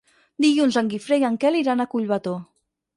Dilluns en Guifré i en Quel iran a Collbató.